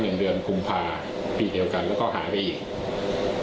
เทียบรวมคุมภาพีศเดียวกันแล้วก็หายไปอีก